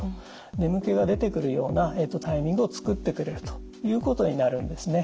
眠気が出てくるようなタイミングを作ってくれるということになるんですね。